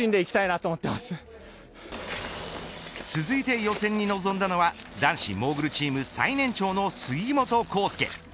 続いて予選に臨んだのは男子モーグルチーム最年長の杉本幸祐。